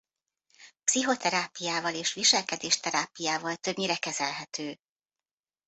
Pszichoterápiával és viselkedés terápiával többnyire kezelhető.